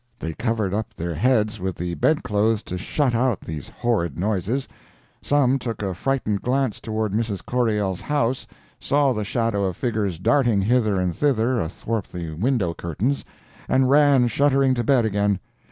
They covered up their heads with the bed clothes to shut out these horrid noises; some took a frightened glance toward Mrs. Corriell's house, saw the shadow of figures darting hither and thither athwart the window curtains, and ran shuddering to bed again.